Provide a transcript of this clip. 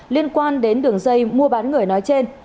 liên quan đến đường dây mua bán người nói trên